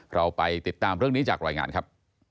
เราไปติดตามเรื่องนี้จากรายงานครับ